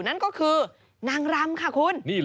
นั่นก็คือนางรำค่ะคุณ